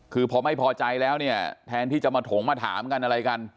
คือพอไม่พอใจแล้วเนี่ยแทนที่จะมาถงมาถามกันอะไรกัน